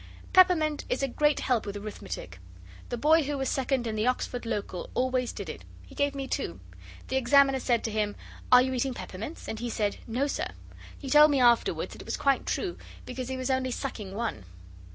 Peppermint is a great help with arithmetic. The boy who was second in the Oxford Local always did it. He gave me two. The examiner said to him, 'Are you eating peppermints?' And he said, 'No, Sir.' He told me afterwards it was quite true, because he was only sucking one.